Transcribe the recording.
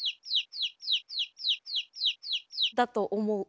だと思う。